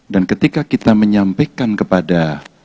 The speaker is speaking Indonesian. dan ketika kita menyampaikan kepada